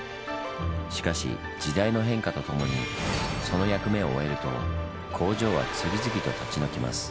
しかし時代の変化とともにその役目を終えると工場は次々と立ち退きます。